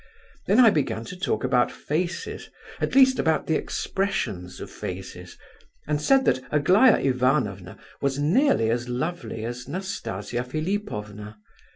"Then I began to talk about faces, at least about the expressions of faces, and said that Aglaya Ivanovna was nearly as lovely as Nastasia Philipovna.